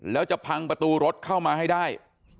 แล้วจะพังประตูรถเข้ามาให้ได้